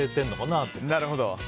なるほど。